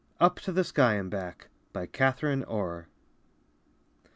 UP TO THE SKY AND BACK BY KATHARINE ORR.